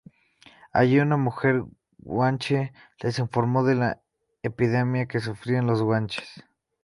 Allí una mujer guanche les informó de la epidemia que sufrían los guanches.